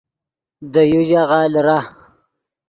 دے یو ژاغہ لیرہ